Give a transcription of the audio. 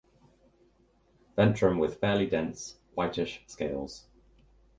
Ventrum with fairly dense whitish scales.